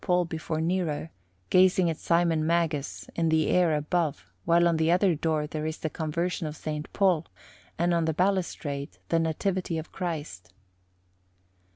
Paul before Nero, gazing at Simon Magus in the air above; while on the other door there is the Conversion of S. Paul, and on the balustrade the Nativity of Christ.